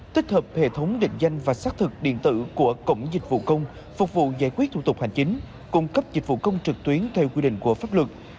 tích hợp hệ thống định danh và xác thực điện tử của cổng dịch vụ công phục vụ giải quyết thủ tục hành chính cung cấp dịch vụ công trực tuyến theo quy định của pháp luật